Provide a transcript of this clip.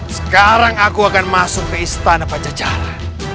sekarang aku akan masuk ke istana pajajaran